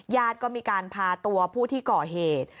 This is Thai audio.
ญาติก็มีการพาตัวผู้ที่ก่อเหตุ